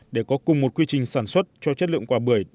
để có cùng một quy trình sản xuất cho chất lượng quả bưởi đồng đều